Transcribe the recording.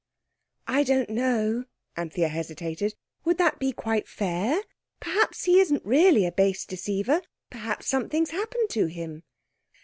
"I don't know," Anthea hesitated. "Would that be quite fair? Perhaps he isn't really a base deceiver. Perhaps something's happened to him."